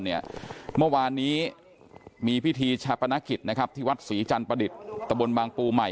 เนี่ยเมื่อวานนี้มีพิธีฉับประณะคิดนะครับที่วัดสุรีจันต์ประดิษฐ์ตะบลบางปู่ใหม่